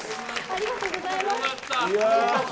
ありがとうございます。